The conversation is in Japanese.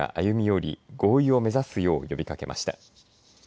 各国が歩み寄り、合意を目指すよう呼びかけました。